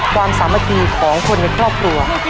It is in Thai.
ความสามารถดีของคนในครอบครัว